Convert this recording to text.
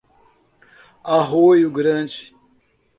Arroio Grande